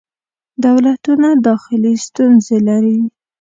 دولتونه داخلې ستونزې لري.